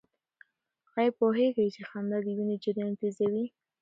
آیا پوهېږئ چې خندا د وینې جریان تېزوي؟